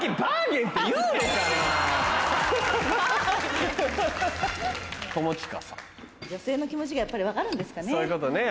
女性の気持ちがやっぱり分かるんですかねぇ？